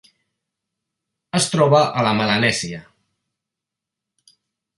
Es troba a la Melanèsia: